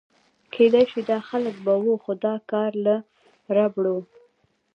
کېدای شي داسې خلک به و، خو دا کار له ربړو.